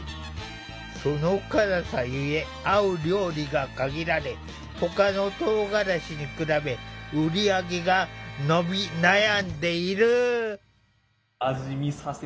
その辛さゆえ合う料理が限られほかのとうがらしに比べ売り上げが伸び悩んでいる。